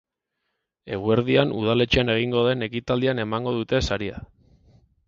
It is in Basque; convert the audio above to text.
Eguerdian udaletxean egingo den ekitaldian emango dute saria.